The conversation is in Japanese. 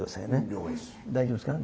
大丈夫ですか？